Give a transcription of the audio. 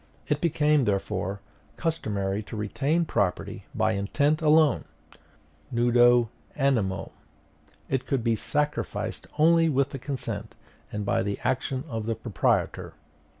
It became, therefore, customary to retain property by intent alone nudo animo; it could be sacrificed only with the consent and by the action of the proprietor.